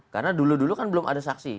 karena dulu dulu kan belum ada saksi